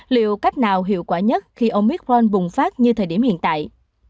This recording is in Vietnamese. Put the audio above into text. liệu cách nào hiệu quả nhất khi omicron bùng phát như thời điểm hiện tại